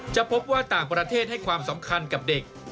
จะพบว่าต่างประเทศให้ความสำคัญกับเด็ก